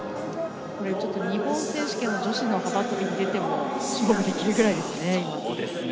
これ、ちょっと日本選手権の女子の幅跳びに出ても勝負できるぐらいです。